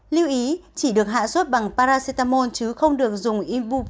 liêu ý chỉ được hạ sốt bằng paracetamol chứ không được dùng ibuprofen